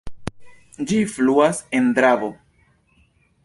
Ĝi fluas en Dravo.